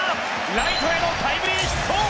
ライトへのタイムリーヒット！